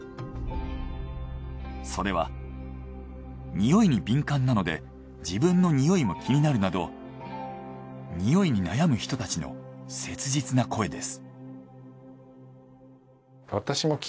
それは「匂いに敏感なので自分の匂いも気になる」など匂いに悩む人たちの切実な声です。